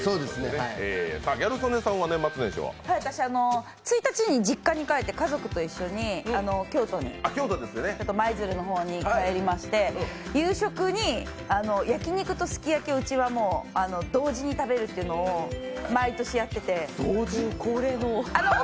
私、１日に実家に帰って家族と一緒に京都に舞鶴に帰りまして夕食に焼き肉とすき焼きをうちは同時に食べるというのを毎年やってて。